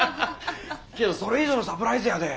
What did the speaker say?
けどそれ以上のサプライズやで！